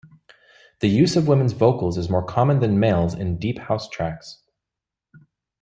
The use of women's vocals is more common than males in deep house tracks.